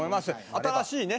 新しいね